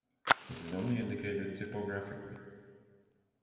This is only indicated typographically.